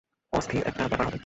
অস্থির একটা ব্যাপার হবে।